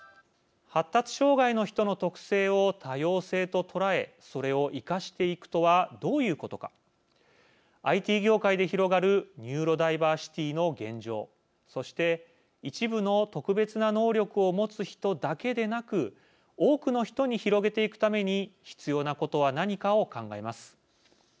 発達障害の人の特性を多様性と捉えそれを生かしていくとはどういうことかＩＴ業界で広がるニューロダイバーシティの現状そして一部の特別な能力を持つ人だけでなく多くの人に広げていくために必要なことは何かを考えます。